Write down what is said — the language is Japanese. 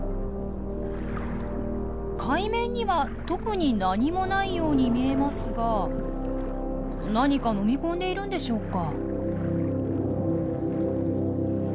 海面には特に何もないように見えますが何か飲み込んでいるんでしょうか？